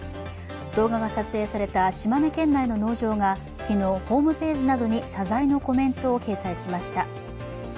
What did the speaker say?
動画が撮影された島根県内の農場が昨日、ホームページなどに謝罪のコメントを掲載しました。